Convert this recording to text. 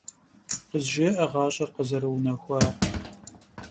КъызжеӀэ гъащӀэр къызэрыунэхуар!